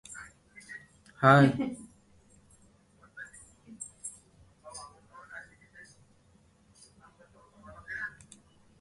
This collision threw a large amount of broken rock into orbit around the Earth.